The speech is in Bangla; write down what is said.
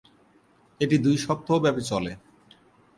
এটি দুই সপ্তাহ ব্যাপী চলে।